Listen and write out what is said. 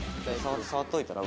触っといたら？